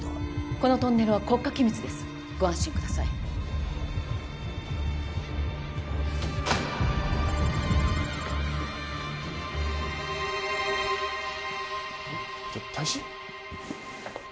このトンネルは国家機密ですご安心くださいた大使？